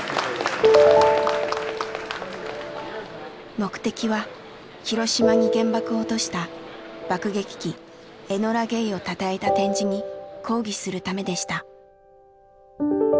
目的は広島に原爆を落とした爆撃機エノラ・ゲイをたたえた展示に抗議するためでした。